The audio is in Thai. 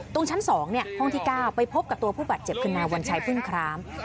ตรงชั้นสองเนี่ยห้องที่เก้าไปพบกับตัวผู้บาดเจ็บคืนนาวันชัยพึ่งคลาม